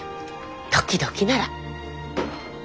時々なら。